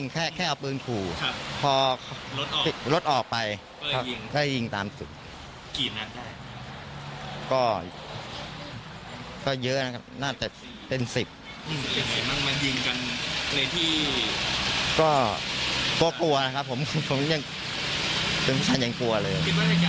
คือฉันยังกลัวเลย